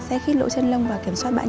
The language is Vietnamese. sẽ khít lỗ chân lông và kiểm soát bã nhờn